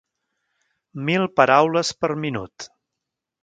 Mil paraules per minut.